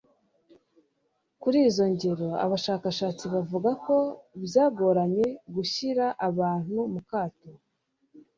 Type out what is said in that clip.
kuri izo ngero, abashakashatsi bavuga ko byagoranye gushyira abantu mu kato